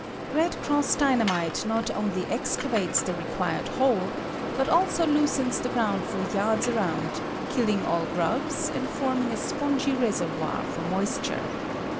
"Red Cross" Dynamite not only excavates the required hole, but also loosens the ground for yards around, killing all grubs, and forming a spongy reservoir for moisture.